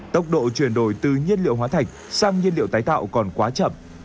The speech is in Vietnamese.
tốc độ chuyển đổi từ nhiên liệu hóa thạch sang nhiên liệu tái tạo còn quá chậm